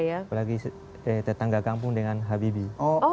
apalagi tetangga kampung dengan habibie